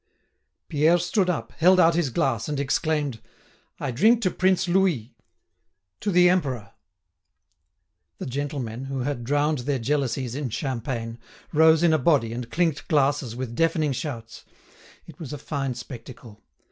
Pierre stood up, held out his glass, and exclaimed: "I drink to Prince Louis—to the Emperor!" The gentlemen, who had drowned their jealousies in champagne, rose in a body and clinked glasses with deafening shouts. It was a fine spectacle.